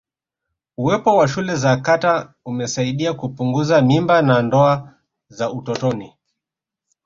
uwepo wa shule za kata umesaidia kupunguza mimba na ndoa za utotoni